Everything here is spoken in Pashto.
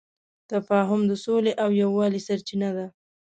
تفاهم د سولې او یووالي سرچینه ده.